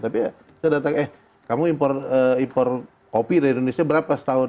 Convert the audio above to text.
tapi saya datang eh kamu impor kopi dari indonesia berapa setahun